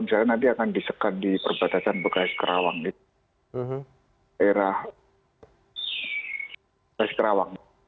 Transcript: misalnya nanti akan disekat di perbatasan bekasi kerawang